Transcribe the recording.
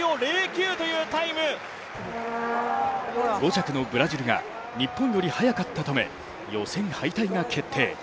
５着のブラジルが日本より速かったため予選敗退が決定。